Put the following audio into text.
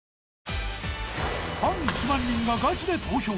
ファン１万人がガチで投票！